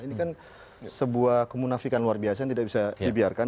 ini kan sebuah kemunafikan luar biasa yang tidak bisa dibiarkan